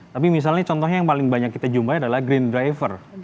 tapi misalnya contohnya yang paling banyak kita jumpai adalah green driver